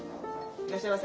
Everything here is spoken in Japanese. いらっしゃいませ。